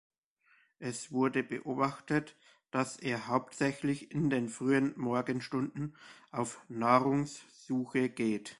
Es wurde beobachtet, dass er hauptsächlich in den frühen Morgenstunden auf Nahrungssuche geht.